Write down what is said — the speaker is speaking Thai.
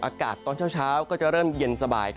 อากาศตอนเช้าก็จะเริ่มเย็นสบาย